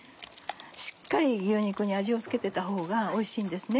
しっかり牛肉に味を付けてたほうがおいしいんです。